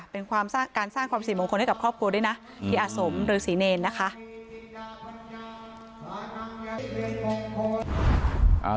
เป็นการสร้างความสี่มงคลให้กับครอบครัวด้วยนะที่อาสมฤษีเนรนะคะ